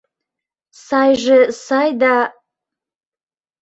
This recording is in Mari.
Сайже сай да...